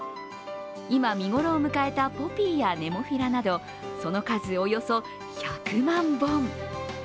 今、見頃を迎えたポピーやネモフィラなどその数、およそ１００万本。